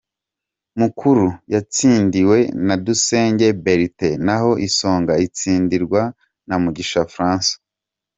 Mukura yatsindiwe na Dusenge Bertin naho Isonga itsindirwa na Mugisha Francois.